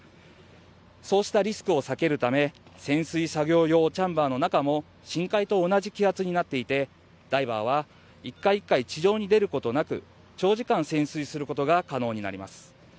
そうしたリスクを避けるため、潜水作業用チャンバーの中も深海と同じ気圧になっていて、ダイバーは一回一回地上に出ることなく、長時間潜水することが可能になります。